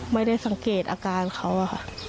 ไม่ได้สังเกตอาการเขาอะค่ะ